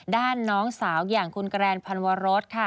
น้องสาวอย่างคุณแกรนพันวรสค่ะ